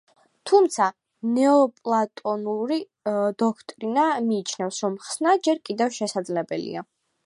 თუმცა, ნეოპლატონური დოქტრინა მიიჩნევს რომ ხსნა ჯერ კიდევ შესაძლებელია.